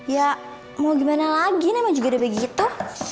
ya mau gimana lagi nih emang juga udah begitu